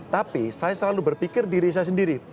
tapi saya selalu berpikir diri saya sendiri